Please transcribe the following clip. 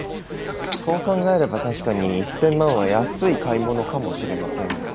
そう考えれば確かに１，０００万は安い買い物かもしれませんが。